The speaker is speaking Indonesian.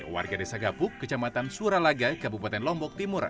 warga desa gapuk kecamatan suralaga kabupaten lombok timur